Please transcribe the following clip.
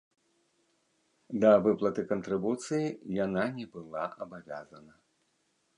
Да выплаты кантрыбуцыі яна не была абавязана.